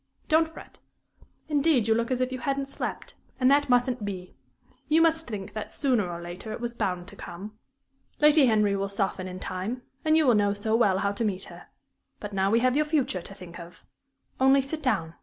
Don't fret. Indeed, you look as if you hadn't slept, and that mustn't be. You must think that, sooner or later, it was bound to come. Lady Henry will soften in time, and you will know so well how to meet her. But now we have your future to think of. Only sit down.